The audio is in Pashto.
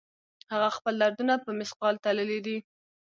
هغه خپل دردونه په مثقال تللي دي